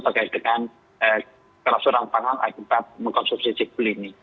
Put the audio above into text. terkait dengan kerasuran pangan agar dapat mengkonsumsi cekul ini